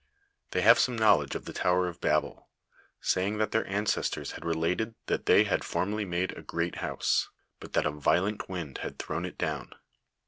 They have some knowledge of the tower of Babel, saying that their ancestore had related that they had formerly made a great house, but that a violent wind had thrown it down.